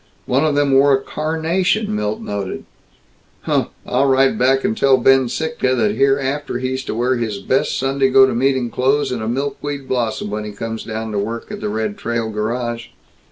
One of them wore a carnation, Milt noted. "Huh! I'll write back and tell Ben Sittka that hereafter he's to wear his best Sunday go to meeting clothes and a milkweed blossom when he comes down to work at the Red Trail Garage!"